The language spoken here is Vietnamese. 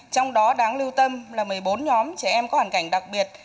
trong đó đáng lưu tâm là một mươi bốn nhóm trẻ em có hoàn cảnh đặc biệt